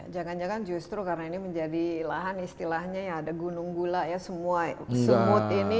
jangan jangan justru karena ini menjadi lahan istilahnya ya ada gunung gula ya semua semut ini